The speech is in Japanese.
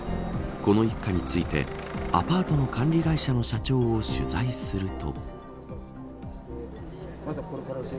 この一家についてアパートの管理会社の社長を取材すると。